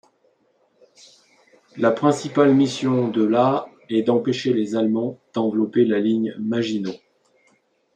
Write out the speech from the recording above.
La principale mission de la est d'empêcher les Allemands d'envelopper la ligne Maginot.